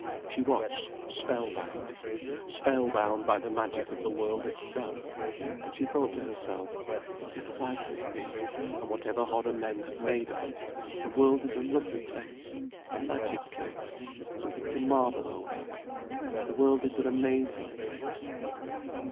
She watched spell bound: spell bound by the magic of the world itself. And she thought to herself: "Whatever life may be, and whatever horror men have made of it, the world is a lovely place, a magic place, something to marvel over. The world is an amazing place."